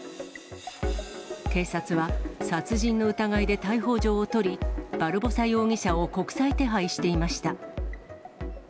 警察は、殺人の疑いで逮捕状を取り、バルボサ容疑者を国際手配していました。